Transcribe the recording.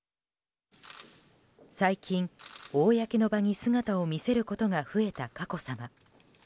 最近、公の場に姿を見せることが増えた佳子さま。